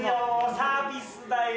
サービスだよ。